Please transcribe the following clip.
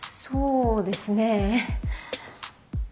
そうですね。